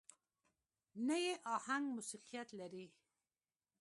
نه يې اهنګ موسيقيت لري.